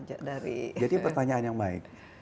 jadi pertanyaan yang baik